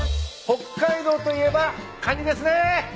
北海道といえばカニですね！